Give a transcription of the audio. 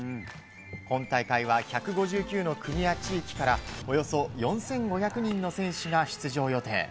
今大会は１５９の国や地域からおよそ４５００人の選手が出場予定。